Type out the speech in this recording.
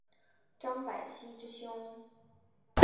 张百熙之兄。